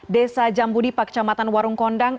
desa jambudipa kecamatan warung kondang